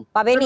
oke pak beni